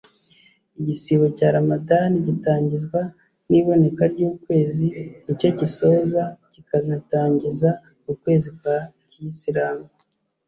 Igisibo cya Ramadhan gitangizwa n’iboneka ry’ukwezi (ni cyo gisoza kikanatangiza ukwezi kwa kiyisilamu)